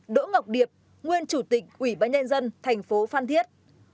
ba đỗ ngọc điệp nguyên chủ tịch ủy bãi nhân dân thành phố phan thiết